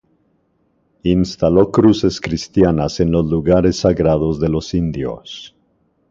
Instaló cruces cristianas en los lugares sagrados de los indios.